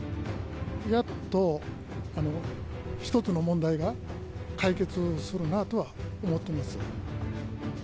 やっと一つの問題が解決するなとは思ってます。